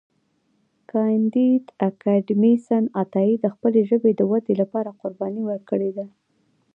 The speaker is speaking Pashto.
کانديد اکاډميسن عطایي د خپلې ژبې د ودې لپاره قربانۍ ورکړې دي.